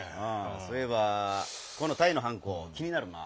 そういえばこのタイのはんこ気になるなぁ。